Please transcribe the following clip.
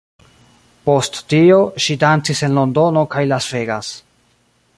Post tio, ŝi dancis en Londono kaj Las Vegas.